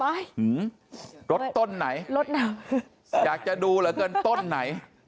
หือรสต้นไหนอยากจะดูเหลือเกินต้นไหน